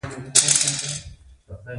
هغه نشي کولای د خپل احساس مطابق ژوند وکړي.